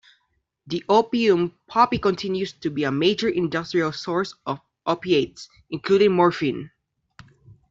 The opium poppy continues to be a major industrial source of opiates, including morphine.